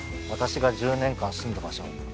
私が１０年間住んだ場所。